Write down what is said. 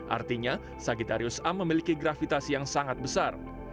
artinya sagitarius a memiliki gravitasi yang sangat besar